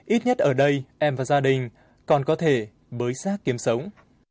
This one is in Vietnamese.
ít nhất ở đây em và gia đình còn có thể bới sát kiếm sống